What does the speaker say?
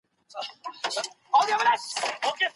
حقوق باید خوندي وساتل سي.